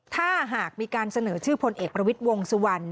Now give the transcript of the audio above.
ถ้าหากมีการเสนอชื่อพลเอกประวิทย์วงสุวรรณ